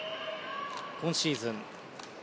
今シーズン